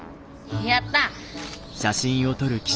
やった！